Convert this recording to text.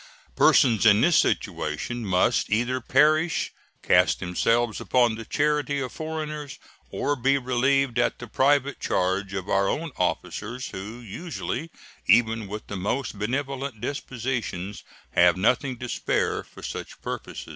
Persons in this situation must either perish, cast themselves upon the charity of foreigners, or be relieved at the private charge of our own officers, who usually, even with the most benevolent dispositions, have nothing to spare for such purposes.